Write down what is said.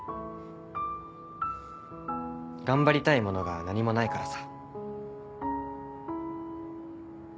頑張りたいものが何もないからさ。